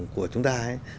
của chúng ta